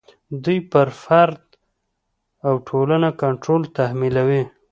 دوی پر فرد او ټولنه کنټرول تحمیلوي.